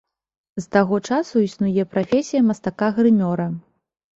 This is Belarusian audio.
З таго часу існуе прафесія мастака-грымёра.